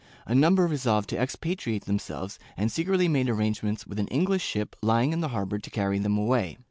A number resolved to expatri ate themselves and secretly made arrangements with an English ship lying in the harbor to carry them away.